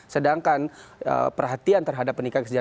sedangkan perhatian terhadap penikah kejadilan